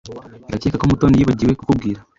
Ndakeka ko Mutoni yibagiwe kukubwira.